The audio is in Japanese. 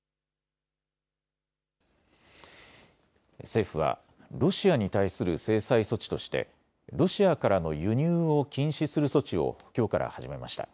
政府はロシアに対する制裁措置としてロシアからの輸入を禁止する措置をきょうから始めました。